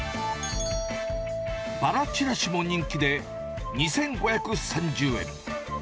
ばらちらしも人気で、２５３０円。